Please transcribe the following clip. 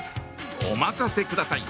お任せください！